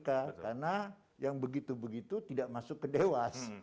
karena yang begitu begitu tidak masuk ke dewas